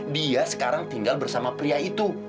dia sekarang tinggal bersama pria itu